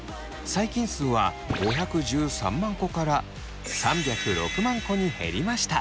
細菌数は５１３万個から３０６万個に減りました。